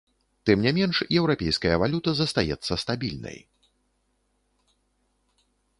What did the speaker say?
Тым не менш, еўрапейская валюта застаецца стабільнай.